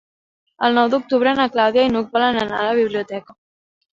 El nou d'octubre na Clàudia i n'Hug volen anar a la biblioteca.